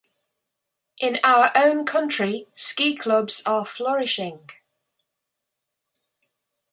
In our own country ski clubs are flourishing.